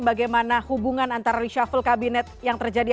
bagaimana hubungan antara reshuffle kabinet yang terjadi